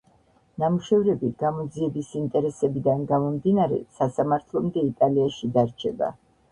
ნამუშევრები გამოძიების ინტერესებიდან გამომდინარე, სასამართლომდე იტალიაში დარჩება.